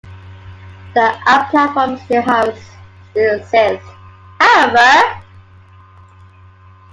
The Up platform still exists however.